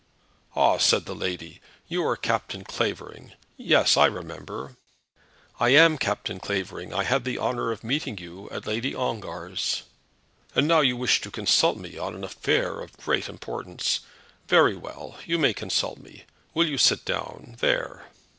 "Ah!" said the lady, "you are Captain Clavering. Yes, I remember." "I am Captain Clavering. I had the honour of meeting you at Lady Ongar's." "And now you wish to consult me on an affair of great importance. Very well. You may consult me. Will you sit down there."